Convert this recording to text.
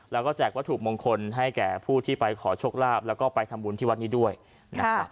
แล้วก็แจกวัตถุมงคลให้แก่ผู้ที่ไปขอโชคลาภแล้วก็ไปทำบุญที่วัดนี้ด้วยนะครับ